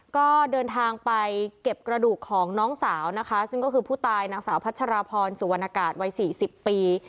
ก็เดินทางไปเก็บกระดูกของน้องสาวนะคะซึ่งก็คือผู้ตายนางสาวพัชราพรสุวรรณกาศวัยสี่สิบปี